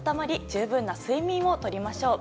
十分な睡眠をとりましょう。